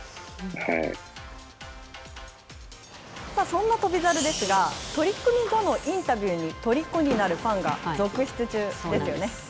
そんな翔猿ですが、取組後のインタビューにとりこになるファンが続出中ですよね。